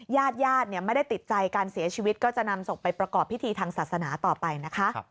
ญาติญาติไม่ได้ติดใจการเสียชีวิตก็จะนำศพไปประกอบพิธีทางศาสนาต่อไปนะคะ